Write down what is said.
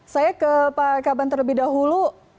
saya ke pak kaban terlebih dahulu